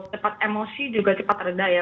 cepat emosi juga cepat reda ya